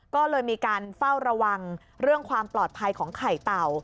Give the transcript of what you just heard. ก็เลยมีการเฝ้าระวังเรื่องความปลอดภัยของไข่เต่า